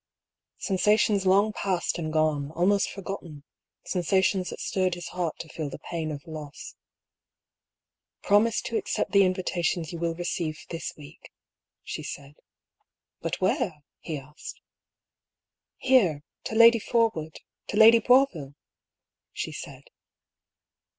Sensations long passed and gone, almost forgotten ; sensations that stirred his heart to feel the pain of loss. " Promise to accept the invitations you will receive this week," she said. " But where ?" he asked. " Here, to Lady Porwood, to Lady Boisville," she said.